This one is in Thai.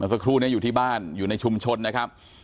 สักครู่นี้อยู่ที่บ้านอยู่ในชุมชนนะครับ